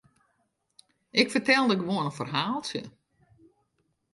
Ik fertelde gewoan in ferhaaltsje.